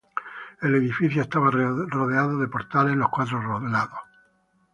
El edificio estaba rodeado de portales en los cuatro lados.